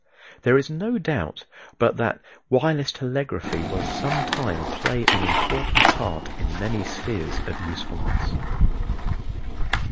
There is no doubt but that wireless telegraphy will some time play an important part in many spheres of usefulness.